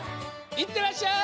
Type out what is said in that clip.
いってらっしゃい！